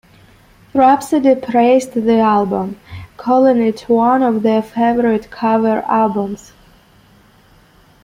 Rhapsody praised the album, calling it one of their favorite cover albums.